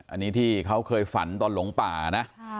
อันนี้ที่เขาเคยฝันตอนหลงป่านะ